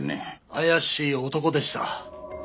怪しい男でした。